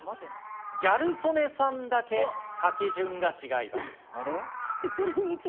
ギャル曽根さんだけ書き順が違います。